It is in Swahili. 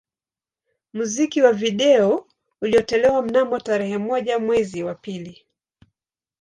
Muziki wa video ulitolewa mnamo tarehe moja mwezi wa pili